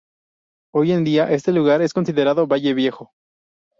Hoy en día este lugar es considerado Valle Viejo.